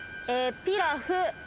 ピラフ。